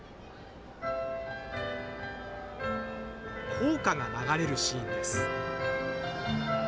校歌が流れるシーンです。